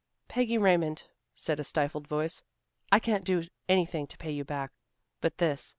"Peggy Raymond," said a stifled voice, "I can't do anything to pay you back, but this.